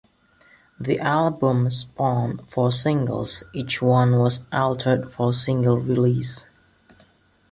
The album spawned four singles, each one was altered for single release.